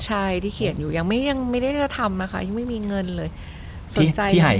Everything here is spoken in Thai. ใช่ที่เขียนอยู่ยังไม่ได้ทำนะคะยังไม่มีเงินเลยสนใจ